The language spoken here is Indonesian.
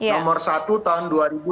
nomor satu tahun dua ribu dua puluh